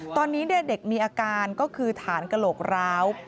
ตอนนี้เด็กมีอาการก็คือฐานกระโหลกร้าว